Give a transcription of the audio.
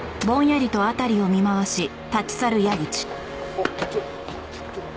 あっちょっちょっと。